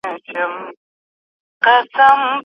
نه مي هوږه خوړلی ده او نه یې له بویه بېرېږم.